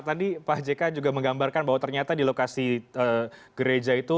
tadi pak jk juga menggambarkan bahwa ternyata di lokasi gereja itu